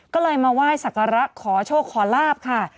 ก็เลยมาไหว้สักการะขอโชคขอลาบค่ะ